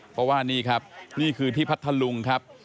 เพราะว่านี่ครับนี่คือที่พัทธลุงครับ